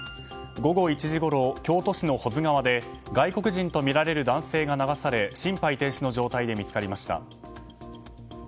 午後１時ごろ京都市の保津川で外国人とみられる男性が流され心肺停止の状態で見つかりました。